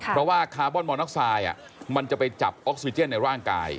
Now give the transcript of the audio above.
เพราะว่าคาร์บอนมอน็อกไซด์มันจะไปจับออกซิเจนในร่างกาย